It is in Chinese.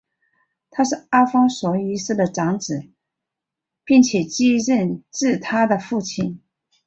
他是阿方索一世的长子并且继任自他的父亲。